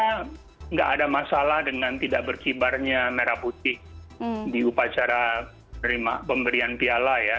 tidak ada masalah dengan tidak berkibarnya merah putih di upacara pemberian piala ya